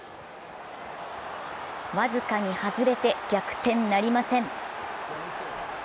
僅かに外れて逆転なりません。